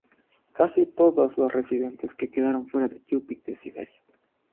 Casi todos los residentes que quedaron fueron yupik de Siberia.